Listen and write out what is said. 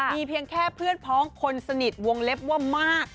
มีเพียงแค่เพื่อนพ้องคนสนิทวงเล็บว่ามาก